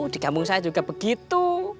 di kampung saya juga begitu